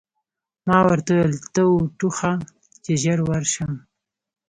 ما ورته وویل: ته و ټوخه، چې ژر ورشم.